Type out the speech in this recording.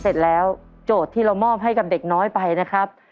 เสร็จแล้วโจทย์ที่เรามอบให้กับเด็กน้อยไปนะครับ